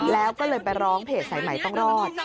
แล้วก็เลยไปร้องเพจสายใหม่ต้องรอด